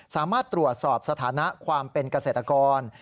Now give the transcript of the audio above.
สามารถตรวจสอบสถานะความเป็นเกษตรกร